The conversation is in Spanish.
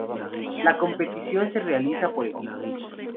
La competición se realiza por equipos.